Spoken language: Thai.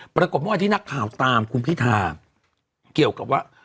ปรากฏเมื่อวานที่นักข่าวตามคุณพิธาเกี่ยวกับว่า